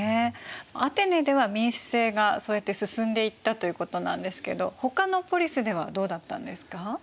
アテネでは民主政がそうやって進んでいったということなんですけどほかのポリスではどうだったんですか？